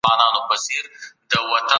وفاداري د نظام د پیاوړتيا سبب ګرځي.